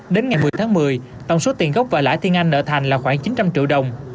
đến ngày một mươi tháng một mươi tổng số tiền gốc và lãi tiên anh nợ thành là khoảng chín trăm linh triệu đồng